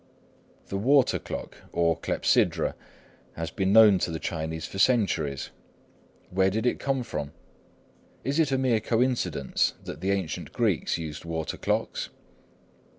The water clock, or clepsydra, has been known to the Chinese for centuries. Where did it come from? Is it a mere coincidence that the ancient Greeks used water clocks?